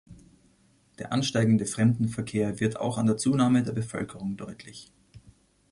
Der ansteigende Fremdenverkehr wird auch an der Zunahme der Bevölkerung deutlich.